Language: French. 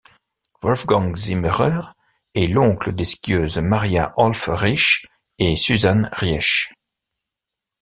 Wolfgang Zimmerer est l'oncle des skieuses Maria Höfl-Riesch et Susanne Riesch.